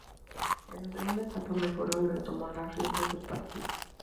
En la segunda etapa, mejoró y retomó las riendas del partido.